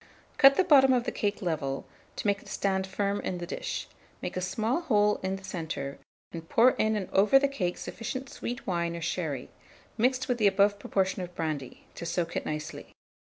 Cut the bottom of the cake level, to make it stand firm in the dish; make a small hole in the centre, and pour in and over the cake sufficient sweet wine or sherry, mixed with the above proportion of brandy, to soak it nicely.